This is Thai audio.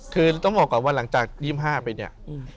คือต้องบอกก่อนว่าหลังจาก๒๕ไปเนี่ย